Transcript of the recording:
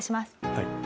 はい。